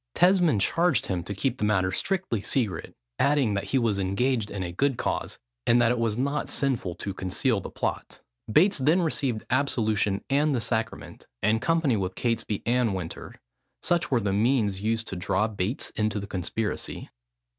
Tesmond charged him to keep the matter strictly secret, adding, that he was engaged in a good cause, and that it was not sinful to conceal the plot. Bates then received absolution and the sacrament, in company with Catesby and Winter. Such were the means used to draw Bates into the conspiracy.